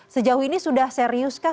sejauh ini sudah serius kah